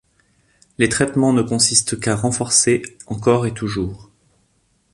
Les traitements ne consistent qu'à renforcer, encore et toujours.